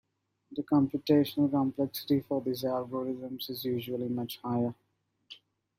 The computational complexity for these algorithms is usually much higher.